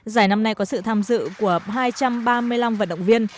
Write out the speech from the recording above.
giải năm nay có sự tham dự của hai trăm ba mươi năm vận động viên